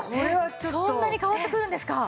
そんなに変わってくるんですか。